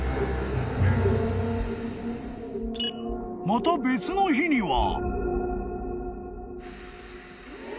［また別の日には］